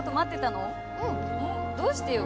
どうしてよ？